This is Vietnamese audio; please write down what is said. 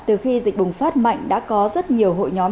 từ khi dịch bùng phát mạnh đã có rất nhiều hội nhóm